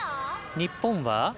日本は？